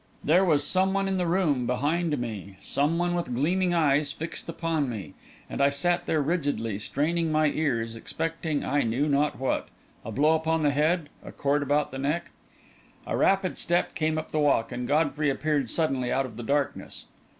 There was someone in the room behind me; someone with gleaming eyes fixed upon me; and I sat there rigidly, straining my ears, expecting I knew not what a blow upon the head, a cord about the neck. A rapid step came up the walk and Godfrey appeared suddenly out of the darkness.